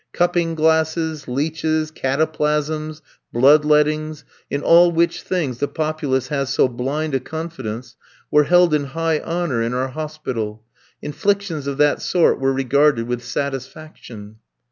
Cupping glasses, leeches, cataplasms, blood lettings in all which things the populace has so blind a confidence were held in high honour in our hospital. Inflictions of that sort were regarded with satisfaction.